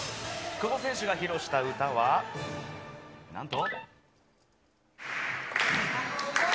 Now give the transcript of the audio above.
久保選手が披露した歌は何と。